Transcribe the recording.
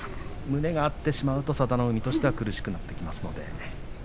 胸が合ってしまうと佐田の海としては苦しくなってきます。